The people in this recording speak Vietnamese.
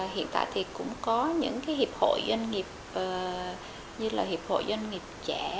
hiện tại thì cũng có những hiệp hội doanh nghiệp như là hiệp hội doanh nghiệp trẻ